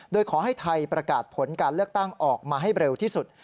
โดยขอให้ไทยประกาศผลการเลือกตั้งออกมาให้เร็วที่สุด